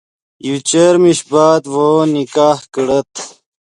یو چر میش بعد ڤؤ نکاہ کڑت